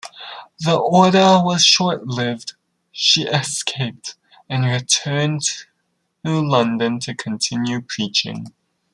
The order was short lived; she escaped and returned to London to continue preaching.